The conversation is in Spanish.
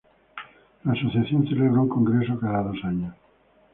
La asociación celebra un congreso cada dos años.